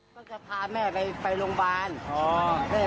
ก็จะพาแม่ไปโรงพยาบาล